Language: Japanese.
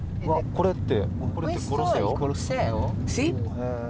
これって。